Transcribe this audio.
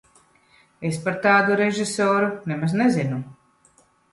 Es par tādu režisoru nemaz nezinu.